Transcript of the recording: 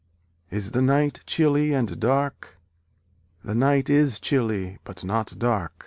Is the night chilly and dark? The night is chilly, but not dark.